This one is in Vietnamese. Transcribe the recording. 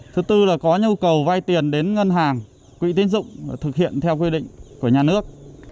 thứ tư là có nhu cầu vay tiền đến ngân hàng quỹ tiến dụng thực hiện theo quy định của nhà nước